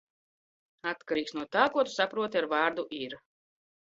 Atkarīgs no tā, ko tu saproti ar vārdu "ir".